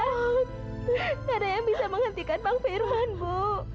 tidak ada yang bisa menghentikan bang firman bu